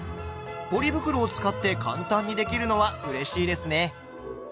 ポリ袋を使って簡単にできるのはうれしいですね。